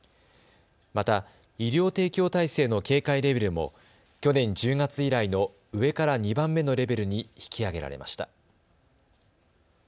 また医療提供体制の警戒レベルも去年１０月以来の上から２番目のレベルに引き上げられました。